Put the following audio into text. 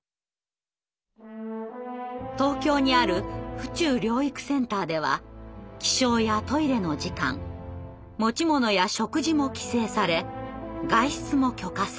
東京にある「府中療育センター」では起床やトイレの時間持ち物や食事も規制され外出も許可制。